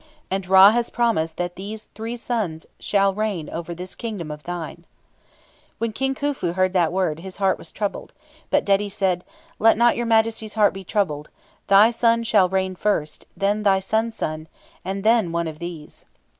And Ra has promised that these three sons shall reign over this kingdom of thine." When King Khufu heard that word, his heart was troubled; but Dedi said, "Let not your Majesty's heart be troubled. Thy son shall reign first, then thy son's son, and then one of these."